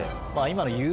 今の。